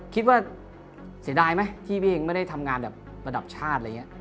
คิดว่าเสียดายไหมที่พี่เองไม่ได้ทำงานระดับชาติ